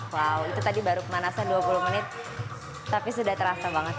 wow itu tadi baru pemanasan dua puluh menit tapi sudah terasa banget